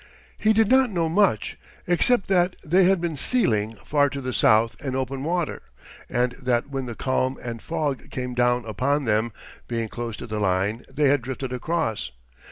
He did not know much, except that they had been sealing far to the south in open water, and that when the calm and fog came down upon them, being close to the line, they had drifted across.